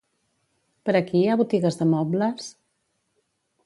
Per aquí hi ha botigues de mobles?